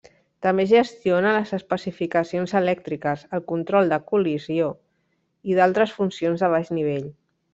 També gestiona les especificacions elèctriques, el control de col·lisió i d'altres funcions de baix nivell.